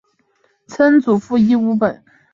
曾祖父尹务本。